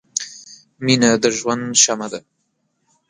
• مینه د ژوند شمعه ده.